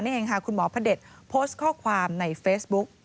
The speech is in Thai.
นี่เองค่ะคุณหมอพระเด็จโพสต์ข้อความในเฟซบุ๊ก